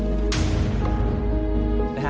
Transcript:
พวกหนูหนูไม่มี